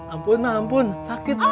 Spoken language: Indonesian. ampun ma ampun sakit ma